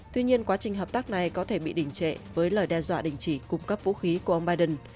tuy nhiên quá trình hợp tác này có thể bị đỉnh trệ với lời đe dọa đình chỉ cung cấp vũ khí của ông biden